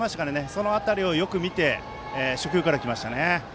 その辺りをよく見て初球から来ましたね。